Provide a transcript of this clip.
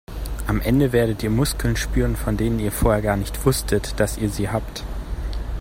Am Ende werdet ihr Muskeln spüren, von denen ihr vorher gar nicht wusstet, dass ihr sie habt.